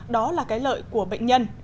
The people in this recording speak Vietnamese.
đó là cái lợi của bệnh nhân